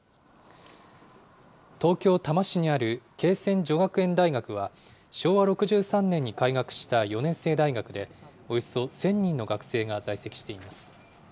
東京・多摩市にある恵泉女学園大学は、昭和６３年に開学した４年制大学で、およそ１０００人の学生が在籍しています。